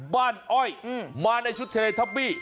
บ้านอ้อยมาในชุดเฉยทับปี้